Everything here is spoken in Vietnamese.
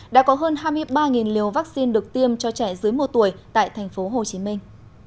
đã có hơn hai mươi ba liều vaccine được tiêm cho trẻ dưới một tuổi tại thành phố hồ chí minh